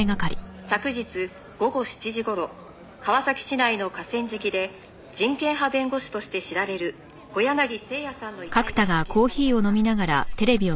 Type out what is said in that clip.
「昨日午後７時頃川崎市内の河川敷で人権派弁護士として知られる小柳征矢さんの遺体が発見されました」